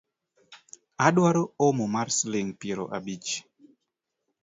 Adwaro omo mar siling’ piero abich